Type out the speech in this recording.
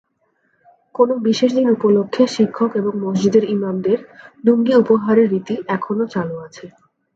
কোন বিশেষ দিন উপলক্ষে শিক্ষক এবং মসজিদের ইমামদের লুঙ্গি উপহারের রীতি এখনও চালু আছে।